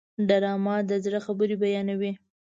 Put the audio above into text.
ډرامه د زړه خبرې بیانوي